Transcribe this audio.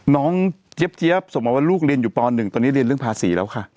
เจี๊ยบส่งมาว่าลูกเรียนอยู่ป๑ตอนนี้เรียนเรื่องภาษีแล้วค่ะ